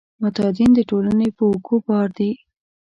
معتادین د ټولنې په اوږو بار کیږي.